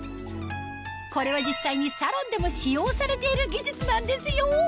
これは実際にサロンでも使用されている技術なんですよ